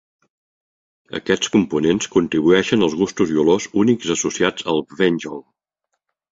Aquests components contribueixen als gustos i olors únics associats al Vin Jaune.